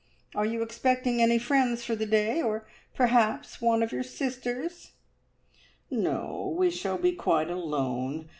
Are you expecting any friends for the day, or perhaps one of your sisters?" "No we shall be quite alone.